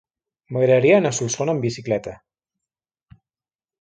M'agradaria anar a Solsona amb bicicleta.